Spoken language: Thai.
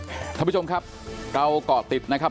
ก็ตอนสี่โมงกว่ากว่านี่แหละค่ะนั่นตอนนั้นเราได้ออกตามหาแล้วไหมคะแม่